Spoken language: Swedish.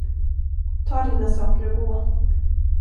Ta dina saker och gå.